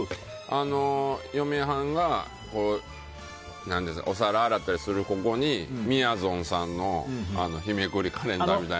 嫁はんがお皿洗ったりするここにみやぞんさんの日めくりカレンダーみたいな。